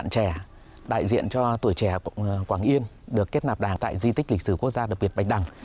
bạn trẻ đại diện cho tuổi trẻ quảng yên được kết nạp đảng tại di tích lịch sử quốc gia đặc biệt bạch đằng